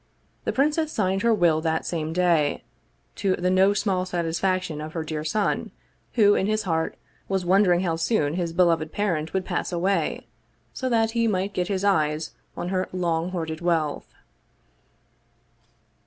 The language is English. The princess signed her will that same day, to the no small satisfaction of her dear son, who, in his heart, was wondering how soon his beloved parent would pass away, so that he might get his eyes on her long hoarded wealth.